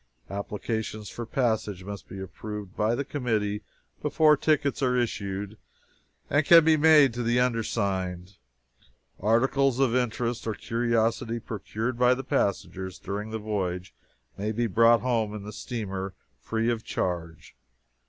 Applications for passage must be approved by the committee before tickets are issued, and can be made to the undersigned. Articles of interest or curiosity, procured by the passengers during the voyage, may be brought home in the steamer free of charge.